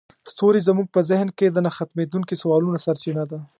ستوري زموږ په ذهن کې د نه ختمیدونکي سوالونو سرچینه ده.